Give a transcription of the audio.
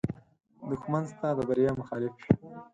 دښمن ستا د بریا مخالف وي